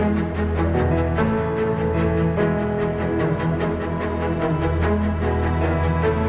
ไม่หวนอื่นกับทางด้านเรือง